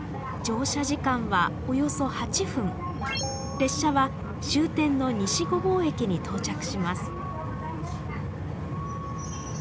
列車は終点の西御坊駅に到着します。